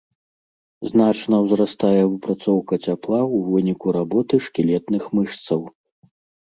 Значна ўзрастае выпрацоўка цяпла ў выніку работы шкілетных мышцаў.